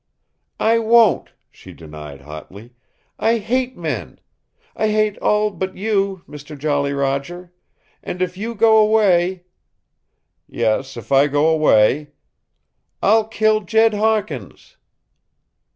"I won't," she denied hotly. "I hate men! I hate all but you, Mister Jolly Roger. And if you go away " "Yes, if I go away "I'll kill Jed Hawkins!"